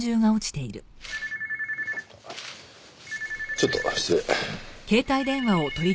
ちょっと失礼。